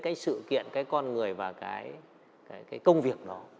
cái sự kiện cái con người và cái công việc đó